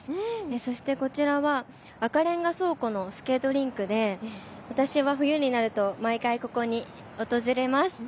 そしてこちらは赤レンガ倉庫のスケートリンクで私は冬になると毎回、ここに訪れます。